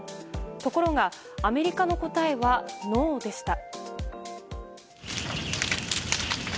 ところがアメリカの答えはノーでした。